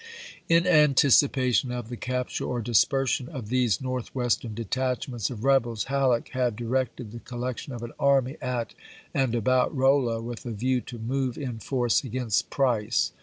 In anticipation of the capture or dispersion of these Northwestern detachments of rebels, Halleck had directed the collection of an army at and about EoUa with a view to move in force against Price.